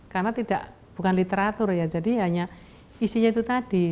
karena bukan literatur ya jadi hanya isinya itu tadi